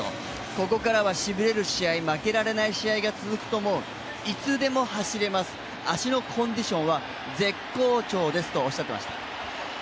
ここからはしびれる試合、負けられない試合が続くと思う、いつでも走れます、足のコンディションは絶好調ですとおっしゃっていました。